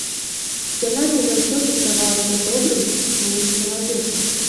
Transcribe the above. Яна мне заўсёды здавалася добрым і чулым чалавекам.